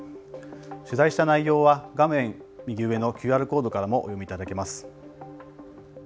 取材した内容は画面右上のＱＲコードからもお読みいただけます。